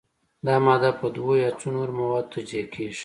دا ماده په دوو یا څو نورو موادو تجزیه کیږي.